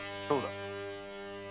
そうだ。